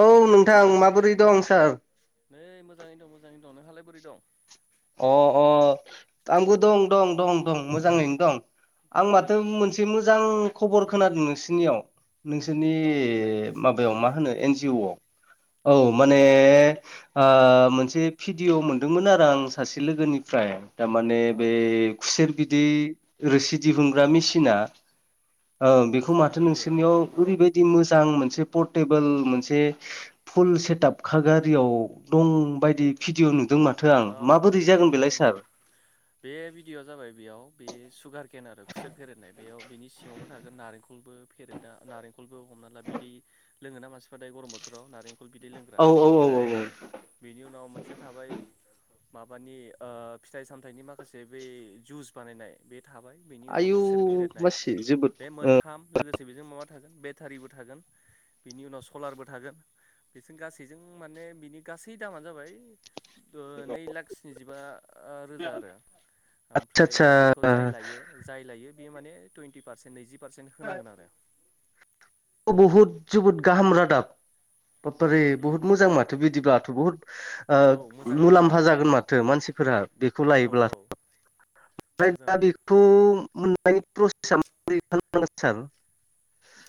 औ नोंथां माबोरै दं सार नै मोजाङै दं मोजाङै दं नोंहालाय बोरै दं? अ अ आंबो दं दं दं दं मोजाङैनो दं आं उम माथो उम मोनसे मोजां खबर खोनादों नोंसिनियाव नोंसोरनि औ बुंलाय माबायाव मा फोरमाय होनो एन जि अ आव औ माने मोनसे भिडिअ मोनदोंमोन आरो आं सासे लोगोनिफ्राय थारमाने औ बे औ खुसेर बिदै रोसि उम दिहुनग्रा उम मिसिना औ बेखौ आदसा माथो बियो नोंसोरनियाव ओरैबायदि मोजां मोनसे पर्टेबोल मोनसे फुल सेटआप खागारियाव दं बायदि भिडिय' नुदों माथो आं औ औ माबोरै जागोन नंगौ बेलाय नंगौ सार? बे भिडिय'आ जाबाय बेयाव बे सुगार केन आरो खुसेर फेरेदनाय बेयाव बिनि सिङावनो थागोन नारेंखलबो फेरेद दा नारेंखलबो हमना ला बिदै लोङोना मानसिफ्रा दायो गरम बोथोराव नारें खल बिदै लोंग्रा औ औ औ ओमफ्राय औ बेनि उनाव मोनसेया थाबाय माबानि ओ फिथाइ सामथायाइनि माखासे बे जुस बानायनाय बे थाबाय बेनि उनाव आयु खुसेर फेरेदनाय मासि जोबोद बे मोनथाम लोगोसे बेजों माबा थागोन बेटारिबो थागोन बिनि उनाव सलारबो थागोन बेजों गासैजों माने बिनि गासै दामानो जाबाय ओ नै लाख स्निजिबा आ रोजा आरो आदसा ओमफ्राय आदसा दा बेखौ जाय लायो जाय लायो बेयो माने टुइन्टि पारसेन्ट नैजि पारसेन्ट होनांगोन आरो बहुत जोबोद गाहाम रादाब बाब्बारे उम उम बहुत उम मोजां माथो बिदिब्लाथ' बुहुत ओ औ मोजाङानो मुलाम्फा जागोन माथो मानसिफोरा बेखौ औ लायोब्ला औ [unintelligible] दा मोजाङानो बेखौ [unintelligible]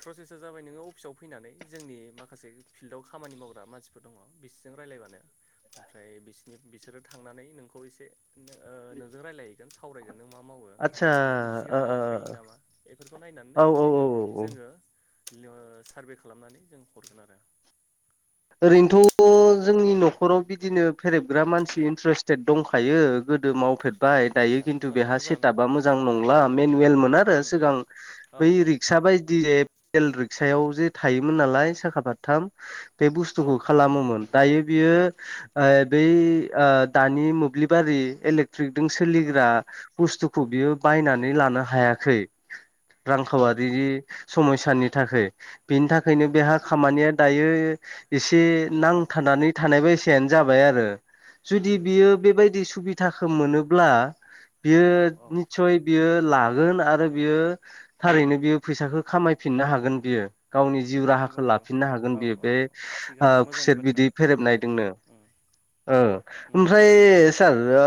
प्रसेसा जाबाय नोङो अफिसाव फैनानै जोंनि माखासे फिल्डआव खामानि मावग्रा मानसि फोर दङ बिसोजों रायलायबानो ओमफ्राय बिसिनि बिसोरो थांनानै नोंखौ इसे नो ओ नोजों रालाय नों सावरायगोन नों मा मावो आदसा नों सिगां मावखायो नामा बेफोरखौ ओ नायनानैनो औ माने औ औ औ जोङो [unintelligible] सारभे खालामनानै जों हरगोन आरो ओरैनोथ' जोंनि न'खराव बिदिनो फेरेबग्रा मानसि इन्ट्रेस्टेद दंखायो गोदो मावफेद बाय दायो आदसा खिन्थु होमबाथ' बेहा मोजाङानो सेटआपा मोजां नंला मेनुयेलमोन आरो उम उम सिगां औ बै औ रिक्सा बायदि एफ एल रिक्सायाव जे थायोमोन नालाय साखा फाथथाम बे औ बुस्थुखौ खालामोमोन दायो बियो। आइ बै आ दानि मोब्लिबारि इलेक्ट्रिकदों औ सोलिग्रा बुस्थुखौ बियो बायनानै लानो हायाखै औ रांखावारि समयसानि थाखाय बिनि औ थाखायनो बेहा औ खामानिया दायो इसे उम नांथानानै थानाय बायसायानो जाबाय आरो जुदि उम उम बियो उम बेबायदि सुबिदाखौ मोनोब्ला बियो औ औ निसय बियो लागोन आरो बियो थारैनो बियो फैसाखो खामायफिननो हागोन बियो गावनि जिउ राहाखो नंगौ नंगौ लाफिननो हागोन औ बियो औ बे औ थिगानो आ मोजांनि खुसेत बाथ्रा बिदि उम फेरेबनाय दोंनो उम ओ उम ओमफ्राय मोजांनि बाथ्रा सार ओ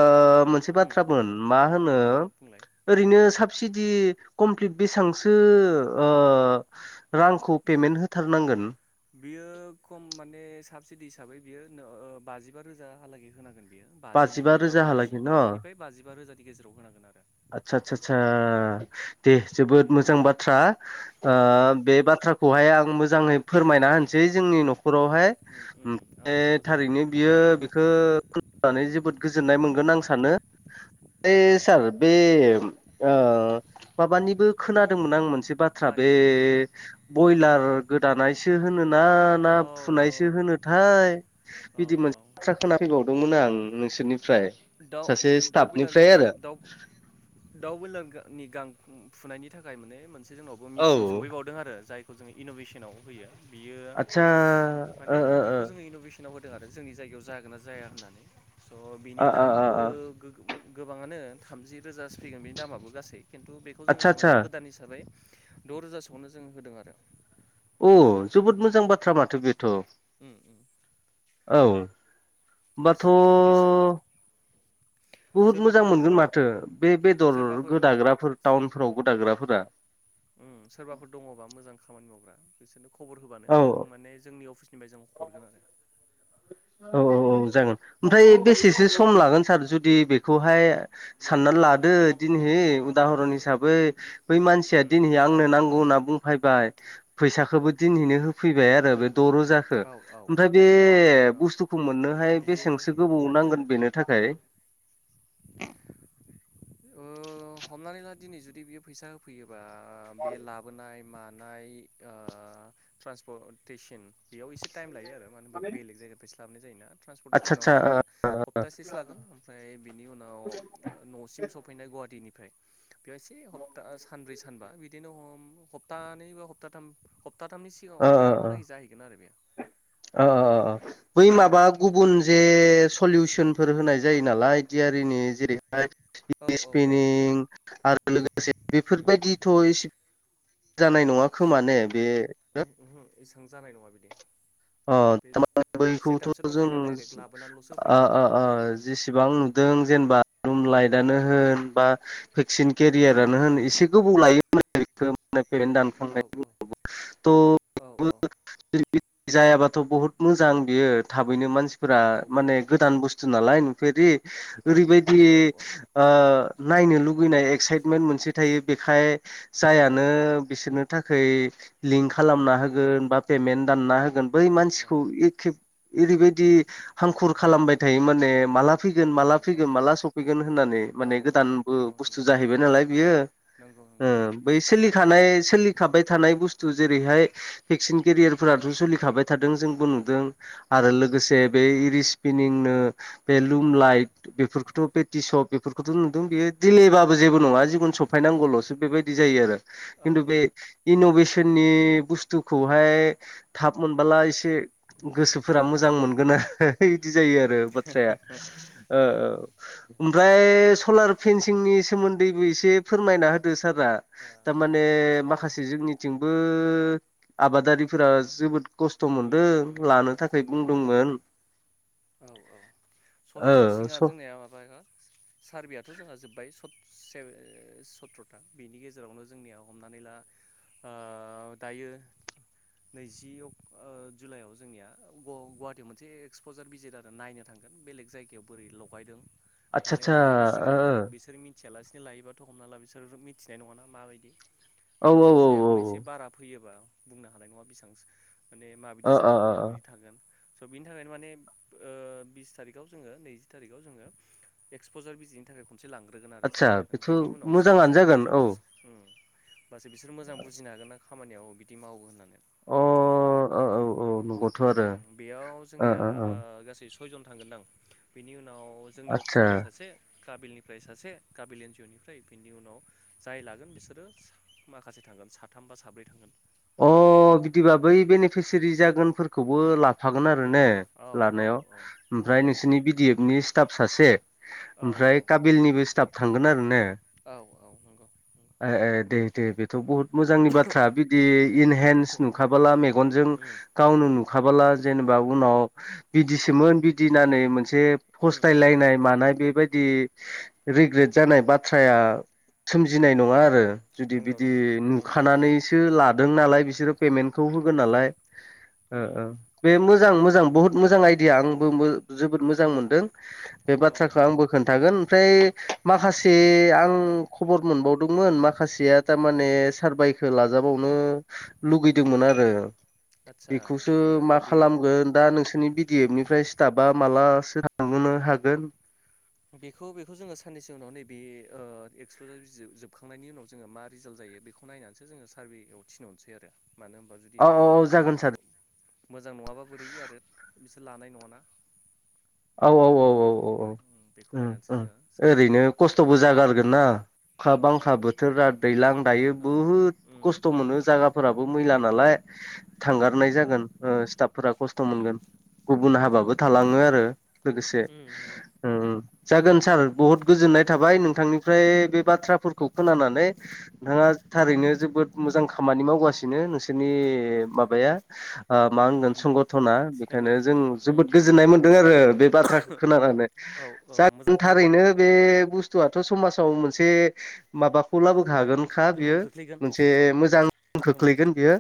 मोनसे उम बाथ्रामोन मा होनो औ बुंलाय ओरैनो साबसिडि कमप्लिट बिसंसो ओ रांखौ पेमेन्ट होथारनांगोन बियो खम माने साबसिडि हिसाबै बियो नो ओ बाजिबा रोजा हालागे होनांगोन बेयो बाजि बाजिबा बा बाजि रोजाहालागै न' बाजिनिफ्राय बाजिबा रोजानि गेजेराव होनांगोन आरो आच्चा चा चा दे जोबोद मोजां बाथ्रा औ आ औ बे बाथ्रा खौहाय आं मोजाङै फोरमायना होनसै जोंनि न'खरावहाय उम उम ओमफाय आदसा मोजाङानो थारैनो बियो बेखो [unintelligible] नानै जोबोद गोजोननाय मोनगोन आं सानो [unintelligible] औ औ सार बे ओ माबानिबो खोनादोंमोन आं मोन से बाथ्रा बे मानियो मानियो बुंलाय बयलार गोदानायसो होनो ना ना औ औ फुनायसो होनो औ थाय औ बिदि औ मोनसे [unintelligible] खोनाफैबावदोंमोन आं नोंसोरनिफ्राय दाउ सासे दाउ बोयलार स्टाफनिफ्राय आरो खु दाउ दाउ बयलार गां नि गां फ फुनायनि थाखाय माने मोनसे जोंनाव बाव मिसिन औ सहैबावदों आरो जायखौ जोङो इन'भेसनाव होयो बियो आदसा ओ माने ओ बेखौ जोंङो इन'भेसन नाव होदो आरो जोंनि जायगायाव जागोन ना जाया होननानै स' बिनि आ आ दामा बो आ गो गो गोबांआनो थामजि रोजासो फैगोन बे दामाबो गासै केन्तु बे खौ आदसा जोङो माने आदसा गोदान हिसाबै द' रोजासोआवनो जों होदों आरो अ जोबोद मोजां बाथ्रा माथो बे उम उम औ बाथ' जुदि बुहुत मोजां सोरबाफोर मोनगोन माथो बे बेदर सोरबाफोर गोदाग्राफोर टाउनफोराव गोदाग्राफोरा उम सोरबाफोर दङबा मोजां खामानि मावग्रा बिसोरनो खबर होबानो औ जों औ माने जोंनि अफिस निफ्राय जों हरगोन आरो। औ औ औ जागोन ओमफ्राय औ बेसेसो सम लागोन सार जुदि बे खौहाय साननानै लादो दिनहि। उदाहरन हिसाबै बै मानसिया उम दिनै आंनो नांगौ होनना बुं फायबाय फैसाखोबो दिनिनो होफैबाय आरो बे द' रोजाखो औ ओमफ्राय औ बे बे औ बुस्थुखौ मोननोहाय बियो बेसांसो गोबाव नांगोन बेनो थाखाय? ओ हमनानै ला दिनै जुदि बेयो फैसा फैयोबा बे लाब लाबोनाय मानाय ओ ट्रान्सप'टेसन बेयाव एसे टाइम लायो आरो। मानो होनबा बेलेग जायगाफ्रायसो लाबोनाय जायोना ट्रेन्सपरटेसनाव आदसा हमनानै आदसा ला हप्तासेसो लागोन ओमफ्राय। बेनि उनाव नसिम सफैनाय गुवाहाटीनिफ्राय बेयाव इसे हब ता सानब्रै सानबा। सानबा बिदिनो हम हप्तानै बा हप्ताथाम हप्ताथामनि सिगां हप्ताथामहालागै जाहैगोन आरो बेयो। अ अ अ अ। बै माबा गुबुन जे सलिउसनफोर होनाय जायो नालाय डियारिनि औ जेरैहाय। औ औ स्पेनिं आरो लोगोसे बेफोरबायदिथ' इसे। जानाय नङा खोमा ने बे ओहो एसेबां जानाय नङा बिदि ओ। बे अ बैखौथ' सेटआपसो जों दंखायोना डाइरेक्ट लाबोनानैल'सो होफैगोन बेखौ [unintelligible] जेसेबां नुदों जेनेबा रुम लाइट। नो उम होन बा भेकसिन उम उम केरियारआनो होन एसे गोबाव लायो होन [unintelligible] [unintelligible] औ औ। औ द' [unintelligible] ज जायाबाथ' बहुत मोजां बियो थाबैनो मानसि [unintelligible] फोरा औ माने गोदान बुस्थु नालाय नुफेरि औ ओरैबायदि। औ औ ओ नायनो लुगैनाय एक्साइटमेन्ट मोनसे थायो बेखाय जाया। नो बिसोरनो थाखै लिंक उम खालामना उम होगोन बा पेमेन्त दानना होगोन। बै औ मानसिखौ एखे ओरैबायदि हांखुर खालामबाय थायो माने मालाबा। फैगोन माला फैगोन माला सफैगोन होननानै औ माने औ गोदानबो बुस्थु जाहैबाय नालाय बियो। नोंगौ ओ नोंगौ। बै सोलिखानाय सोलिखाबाय थानाय बुस्थु जेरैहाय। भेक्सिन केरियारफोराथ' सोलिखाबाय थादों जोंबो नुदों। आरो लोगोसे बे इरि सिपिनिंनो। बे लुम लाइट बेफोरखौथ' बे टिसप बेफोरखौथ' नुदों बेयो। दिलेबाबो जेबो नङा जिखुनु सफायनांगौल'सो बेबायदि जायो आरो औ खिन्थु औ बे। ओ इन'भेसननि बुस्थुखौहाय थाब मोनबोला एसे। गोसोफोरा मोजां मोनगोन आरो बिदि जायो आरो बाथ्राया ओ ओ ओमफ्राय सलार फेनसिंनि सोमोन्दैबो एसे फोरमायना होदो सारा थारमाने सलार माखासे जोंनिथिंबो आबादारिफोरा जोबोद खस्थ' उम मोनदों उम उम लानो थाखाय नंगौ नंगौ बुंदोंमोन। औ औ ओ सलार फेनसिंआ स जोंनिया माबा सारभेआथ' जोंहा जोब्बाय से सथ्र'था बेनि गेजेरावनो जोंनिया हमनानै ला आ दायो नैजि अ जुलाइआव जोंनिया गुवाहाटटियाव मोनसे एक्सप कजार बिजिर आरो नायनो थांगोन बेलेग जायगायाव बोरै लगायदों माने आदसा आदसा लानायनि सिगां बिसोर मिथियालासिनो लायोबाथ' हमना ला बिसोर मिथिनाय नङाना माबायदि ओ आरो औ औ फैसायाबो एसे बारा फैयोबा बुंनो हानाय नङा बेसेबां माने माबायदि औ औ ओ जागोन ओ ओ माबायदि थागोन स' बिनि थाखायनो माने बिस थारिखआव जोङो नैजि थारिखआव जोङो एक्सपजार बिजिनि थाखाय खनथ मोनसे लांग्रोगोन आरो आदसा जाय लागोन बेथ' बेनि उनावसो मोजाङानो बिसोरो जागोन मोजां औ बुज ओम होमबासो बिसोर मोजां बुजिनो हागोन ना खामानियाव बिदि मावो होननानै। अ ओ औ औ नंगौथ' ओम आरो ओम बेयाव ओ जोंनिया ओ ओ गासै सयजन थांगोनदां बेनि उनाव जोंनि आदसा अफिसनिफ्राय सासे काबिलनिफ्राय सासे काबिल एन जि अ निफ्राय बिनि उनाव जाय लागोन बिसोरो माखासे थांगोन साथाम बा साब्रै थांगोन। अ बिदिबा बै बेनिफिसिारि जागोनफोरखौबो लाफ फागोन आरो उम ने औ औ लानायाव औ औ ओमफ्राय नोंसोरनि बि डि एफ नि स्टाफ सासे। ओमफ्राय औ काबिलनिबो स्टाफ थांगोन आरो ने औ औ नंगौ नंगौ। ए दे। दे बेथ' बहुत मोजांनि बाथ्रा बिदि उम उम इनहेन्स नुखाबोला मेगनजों उम गावनो नुखाबोला जेनेबा उनाव बिदिसोमोन बिदिनानै मोनसे उम उम फस्थायलायनाय मानाय बेबायदि रिग्रेट उम जानाय बाथ्राया। सोमजिनाय उम नङा आरो जुदि नंगौ बिदि नंगौ उम नुखानानै बिसो लादों नालाय बिसोरो पेमेन्टखौ होगोन नालाय। ओ उम ओ बे मोजां मोजां बहुत मोजां आइडिया आंबो जोबोद मोजां मोनदों। औ औ बेबाथ्राखौ आंबो खोन्थागोन ओमफ्राय माखासे आं खबर मोनबावदोंमोन माखासेया थारमाने सारभाइखौ लाजाबावनो लुगैदोंमोन आरो आदसा बेखौसो बियो मा र' बियो खालामगोन। दा नोंसोरनि बिडि एफ निफ्राय स्टाबा मालासो थांहोनो हागोन। बेखौ बेखौ जोङो साननैसो उनाव नैबे ओ एक्सप'जार जोबखांनायनि उनाव जोङो मा रिजाल्ट जायो बेखौ खौ नायनानैसो जोङो सारभेयाव थिनहरसै आरो मानो होनबा जुदि औ औ ला जागोन सार मोजां नङाब्ला बोरै आरो बिसोर लानाय नङाना। औ औ औ औ औ बेखौ नायनानैसो औ जोङो सारभेखौ ओरैनो खालामसिगोन खस्थ'बो जागारगोन ना। अखा औ बांखा औ बोथोरा नंगौ दैज्लां दायो औ बुहुद उम खस्थ' मोनो जायगाफोराबो मैला उम नालाय। उम उम उम थांगारनाय नंगौ जागोन ओ स्टाफफोरा खस्थ' उम मोनगोन। गुबुन हाबाबो थालाङो आरो लोगोसे उम नंगौ ओ जागोन सार बहुद गोजोननाय औ थाबाय नोंथांनि ओमफ्राय बे बाथ्राफोरखौ खोनानानै नोंथाङा थारैनो जोबोद मोजां खामानि मावगासिनो नोंसोरनि बे माबाया ओ मा उम होनगोन उम संगना थिगानो बेनिखायनो जों थिगानो उम जोबोद उम गोजोननाय मोनदों आरो बे बाथ्राखौ खोनानो औ औ मोजां जागोन खोनाबाय थारैनो बे बुस्थुआथ' समाजाव मोनसे माबाखौ लाबोखागोनखा बियो गोहोम खोख्लैगोन मोनसे औ मोजां गोहोम खोख्लैगोन बियो।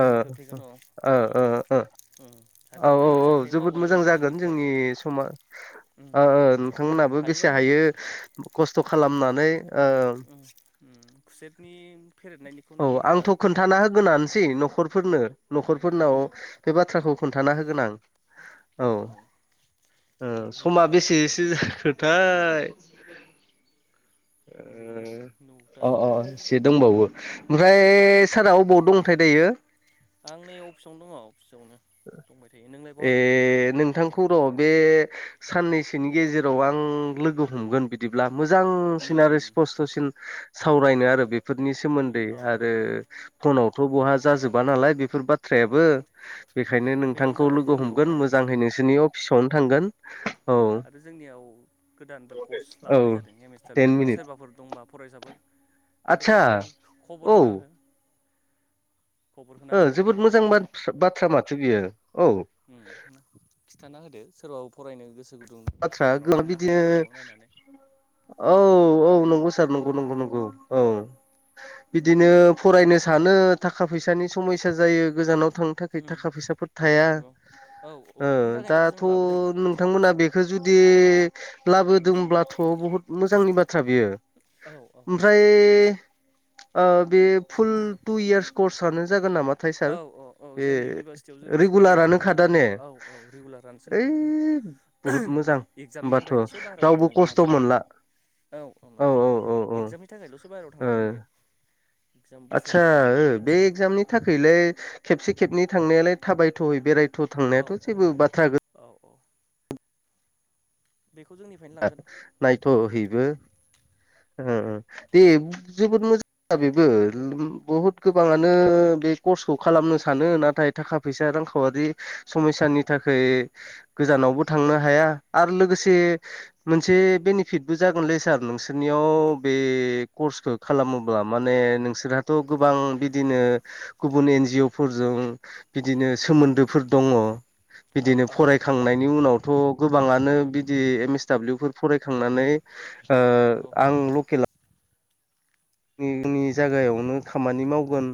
ओ खोख्लैगोन औ उम ओ उम औ हागोन जों औ बेसेबांहायो जोबोद मावगोन मोजां जोंबो जागोन। जोंनिफ्राय जोंनि समाज नोंथांमोनहाबो हायोबा बेसे नोंबो हायो खस्थ' खालामनानै ओम ओम खुसेतनि औ आंथ' खोन्थाना होगोनानोसै न'खरफोरनो न'खरफोरनाव। उम बे बाथ्राखौ खोन्थाना होगोन आं। औ ओ समा मोजाङानो बेसेसो मोजाङानो जाखो? थाय उम नौथा ओ अ जाबाय अ एसे दंबावो। ओमफ्राय सारा अबावयाव दंथाय दायो? आं नै अफिसावनो दङ अफिसावनो दंबाय थायो। नोंलाय ए बहा दं? नोंथांखौ र' बे साननैसोनि गेजेराव आं लोगो हमगोन बिद बिदिब्ला उम मोजांसिन आरो उम स्पस्त'सिन उम सावरायनो आरो बेफोरनि सोमोन्दै औ औ आरो फनावथ' बहा जाजोबा नालाय बेफोर बाथ औ थ्रायाबो औ बेखायनो फैबानो नोंथांखौ जाबाय लोगो जोंनियाव हमगोन आरो मोजाङै नोंसोरनि अफिसावनो थांगोन। औ आरो जोंनियाव गोदानबो कर्स औ लाबोनाय जादों एम एस दाब्लिउ टेन नि मिनिट सोरबाफोर दंबा फरायसाफोर आदसा बेफोरखौबो नों खबर औ होना हो। खबर होना ओ होबानो जोबोद जाबाय मोजां बाथथ्रा बाथ्रा माथो बियो औ उम खिथाना होदो सोरबाबो फरायनो गोसो गुदुं बाथ्रा गोजानाव [inaudible] थांनो बिदिनो हायिफोरखौ नायनानै औ औ नंगौ सार नंगौ नंगौ नंगौ औ बिदिनो फरायनो सानो थाखा फैसानि समायसा जायो गोजानाव थां थाखै उम थाखा फैसाफोर नंगौ थाया नंगौ औ औ बेफोरनि थाखायनोथ' जों दाथ' लाबोदों नों थांमोना बेखौ जुदि लाबोदोंब्लाथ' बहुत मोजांनि बाथ्रा बेयो औ औ ओमफ्राय बे फुल टु इयार्स कर्सनो जागोन नामा? औ औ औ जेरै इउनिभारसिटियाव जेरै सोलियो रेगुलारानो खादा बिदिनो ने औ औ रेगुलारानो ओइ सोलिगोन बुहुद मोजां बेयाव इगजामनि होमबाथ' थाखायल'सो बाहेरायाव रावबो थांनांगोन खस्थ' आरो मोनला औ औ नंगौ औ औ औ इगजामनि थाखायल'सो बाहेरायाव थांनांगोन बेयाव आतसा बे एक्जामनि थाखैलाय खेबसे खेबनै थांनायालाय थाबायथ'यै बेरायथ' औ थांनायाथ' औ जेबो बाथ्रा औ औ बेखौ जोंनिफ्रायनो लांगोन नायथ' हैबो उम उम दे जोबोद मोजां [inaudible] बेबो बहुत गोबाङानो बे कर्सखौ खालामनो सानो नाथाय थाखा फैसा रांखावरि समायसानि थाखाय गोजानावबो थांनो हाया आरो लोगोसे मोनसे बेनिफिटबो जागोनलै सार नोंसोरनियाव बे कर्सखौ खालामोब्ला माने नोंसोरहाथ' गोबां बिदिनो गुबुन एन जि अ फोरजों बिदिनो सोमोन्दोफोर दङ औ बिदिनो औ नंगौ फरायखांनायनि उनावथ' गोबाङानो उम बिदि एम एस दाब्लिउ फो फरायखांनानै नंगौ आंल' जोंनि जायागायावनो खामानि मावगोन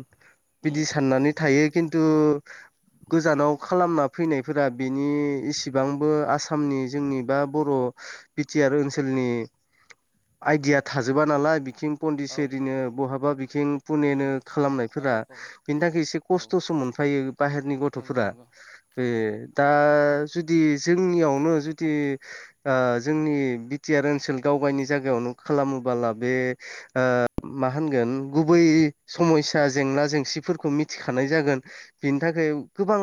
उम बिदि उम साननानै थायो खिन्थु गोजानाव खालामना फैनायफोरा बेनि इसेबांबो आसा सामनि जोंनि बा बर' बिटिआर ओनसोलनि आइदिया थाजोबा नालाय बिथिं कन्दिस औ औ बिदिनो बहाबा बिथिं उम पुनेनो औ खालामनायफोरा औ बेनि थाखाय एसे औ खस्थ'सो मोनफायो बाहेरनि नंगौ गथ'फोरा नंगौ बे नंगौ दा जुदि जोंनियावनो जुदि जोंनि बिटिआर ओनसोल गावगावनि जायगायावनो खालामोबोला बे ओ मा होनगोन गुबै समयसा जेंना जेंसिफोरखौ मिथिखानाय जागोन बिनि थाखाय गोबां